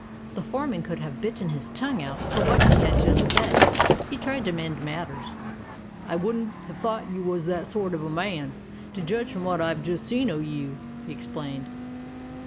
The foreman could have bitten his tongue out for what he had just said. He tried to mend matters. "I wouldn't have thought you was that sort of a man, to judge from what I've just seen o' you," he explained.